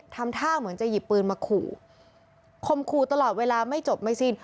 ทำท่าเหมือนจะหยิบปืนมาขู่คมขู่ตลอดเวลาไม่จบไม่สิ้น